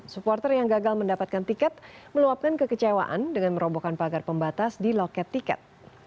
supporter yang gagal mendapatkan tiket meluapkan kekecewaan dengan merobohkan pagar pembatas di loket tiket